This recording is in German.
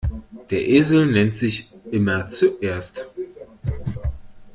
Der Esel nennt sich immer zuerst.